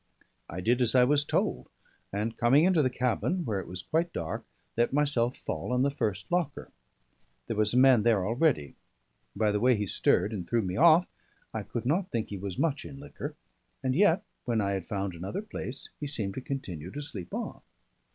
I did as I was told, and coming into the cabin, where it was quite dark, let myself fall on the first locker. There was a man there already: by the way he stirred and threw me off, I could not think he was much in liquor; and yet when I had found another place, he seemed to continue to sleep on.